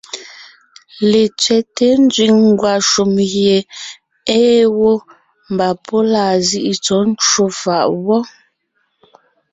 Letsẅɛ́te nzẅìŋ ngwàshùm gie ée wó, mbà pɔ́ laa zíʼi tsɔ̌ ncwò fàʼ wɔ́.